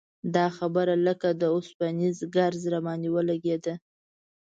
دا خبره لکه د اوسپنیز ګرز راباندې ولګېده.